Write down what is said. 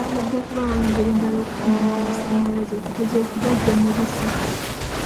Wajja kubaawo engeri endala y'okufunamu amasannyalaze okugeza: okugaggya mu busa.